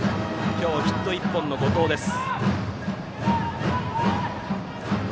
今日ヒット１本の後藤です。